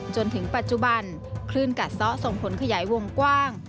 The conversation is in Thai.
จนถึงปัจจุบันคลื่นกัดซ้อส่งผลขยายวงกว้าง